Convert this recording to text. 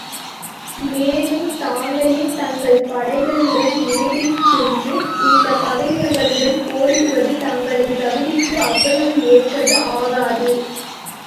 மேலும் தாங்களே தங்கள் படைகளுடனே நேரிற் சென்று இந்தப் பகைவர்களுடன் போரிடுவது தங்களது தகுதிக்கு அவ்வளவு ஏற்றது ஆகாது.